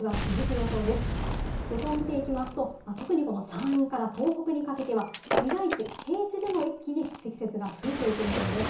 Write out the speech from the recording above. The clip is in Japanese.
予想を見ていきますと山陰から東北にかけては市街地、平地でも一気に積雪が増えていく見込みです。